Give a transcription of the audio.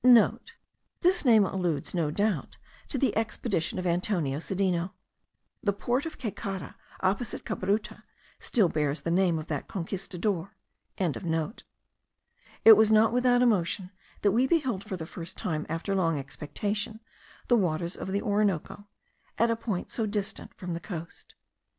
(* This name alludes, no doubt, to the expedition of Antonio Sedeno. The port of Caycara, opposite Cabruta, still bears the name of that Conquistador.) It was not without emotion that we beheld for the first time, after long expectation, the waters of the Orinoco, at a point so distant from the coast.